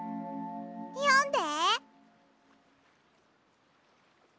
よんで。